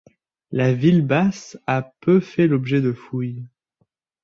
La ville basse a peu fait l'objet de fouilles.